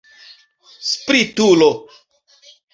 Spritulo!